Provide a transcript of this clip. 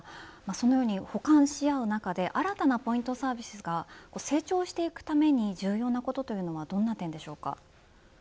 そのように補完し合う中で新たなポイントサービスが成長していくために重要なことというのはどんな点でしょうか。